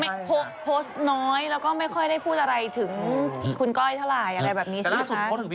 โพสต์น้อยแล้วก็ไม่ค่อยได้พูดอะไรถึงคุณก้อยเท่าไหร่อะไรแบบนี้ใช่ไหมคะ